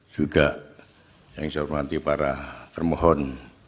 juga yang saya hormati para termohon